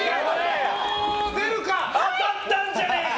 当たったんじゃねえか！